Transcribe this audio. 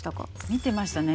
見てましたね。